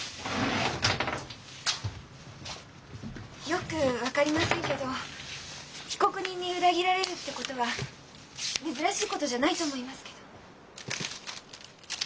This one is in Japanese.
よく分かりませんけど被告人に裏切られるってことは珍しいことじゃないと思いますけど。